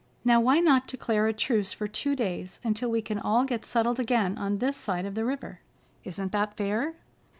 Now why not declare a truce for two days until we can all get settled again on this side of the river? Isn't that fair?"